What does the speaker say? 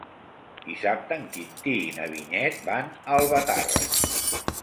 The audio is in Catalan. Dissabte en Quintí i na Vinyet van a Albatàrrec.